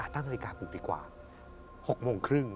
ตั้งนาฬิกาปลูกดีกว่า๖โมงครึ่ง